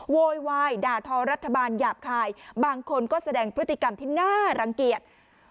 โวยวายด่าทอรัฐบาลหยาบคายบางคนก็แสดงพฤติกรรมที่น่ารังเกียจ